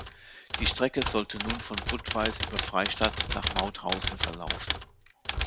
Die Strecke sollte nun von Budweis über Freistadt nach Mauthausen verlaufen.